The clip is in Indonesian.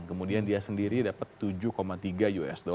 kemudian dia sendiri dapat tujuh tiga usd